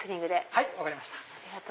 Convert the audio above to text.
はい分かりました。